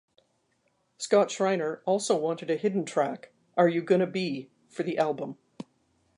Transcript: Scott Shriner also wanted a hidden track, 'Are You Gonna Be?,' for the album.